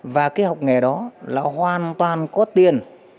và cái học nghề đó là hoàn toàn có tiền